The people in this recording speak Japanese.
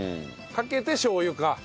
かけてしょう油か？